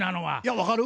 分かるわ。